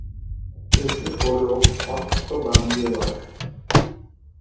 এটি হল ‘অথর্বাঙ্গিরসঃ’।